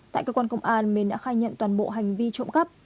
tại cơ quan công an minh đã khai nhận toàn bộ hành vi trộm cắp